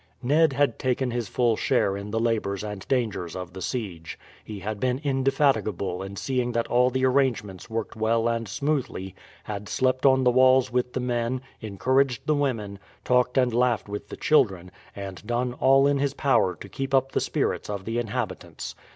Ned had taken his full share in the labours and dangers of the siege. He had been indefatigable in seeing that all the arrangements worked well and smoothly, had slept on the walls with the men, encouraged the women, talked and laughed with the children, and done all in his power to keep up the spirits of the inhabitants.